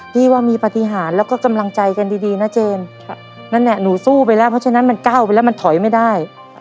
พี่ว่ามีปฏิหารแล้วก็กำลังใจกันดีนะเจนนั่นแหละหนูสู้ไปแล้วเพราะฉะนั้นมันก้าวไปแล้วมันถอยไม่ได้